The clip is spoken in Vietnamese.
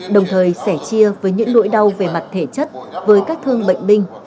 đồng thời sẻ chia với những nỗi đau về mặt thể chất với các thương bệnh binh